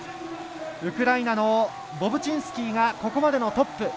ウクライナのボブチンスキーがここまでのトップ。